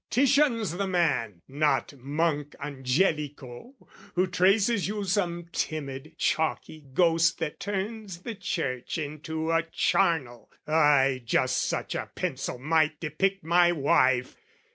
Titian's the man, not Monk Angelico Who traces you some timid chalky ghost That turns the church into a charnel: ay, Just such a pencil might depict my wife!